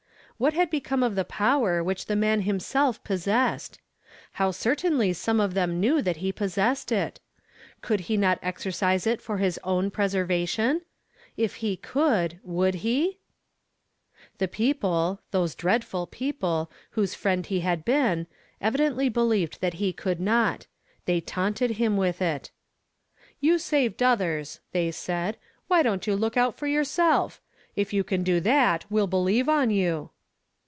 What had become of the power which the man himself pos sessed ? How certainly some of them knew that he possessed it ! Could he not exercise it for his own preservation ? If he could, would he ? ♦t THE Sh.PHERP ns The people, those dreadf.il peopi , whose i o.ul he had been, evidently believed thut he oould not I hey taunted him with it. " You saved others," they said, " why don't you look out for yourself? If you can do thut, ^v4'll beheve on you."